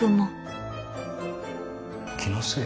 「気のせい？